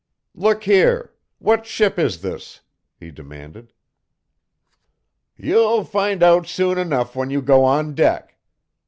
"Look here! What ship is this?" he demanded. "You'll find out soon enough when you go on deck.